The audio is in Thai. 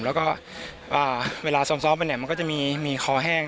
แล้วก็เวลาซ้อมไปเนี่ยมันก็จะมีคอแห้ง